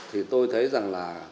thì tôi thấy rằng là